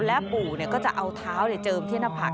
และปู่ก็จะเอาเท้าเจิมที่หน้าผัก